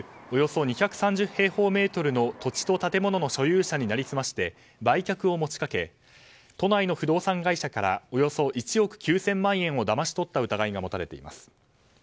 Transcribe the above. およそ２３０平方メートルの土地と建物の所有者に成り済まして売却を持ち掛け都内の不動産会社からおよそ１億９０００万円をだまし取った疑いが持たれています。